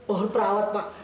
oh perawat pak